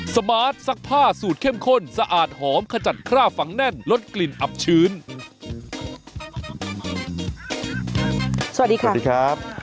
สวัสดีค่ะสวัสดีครับ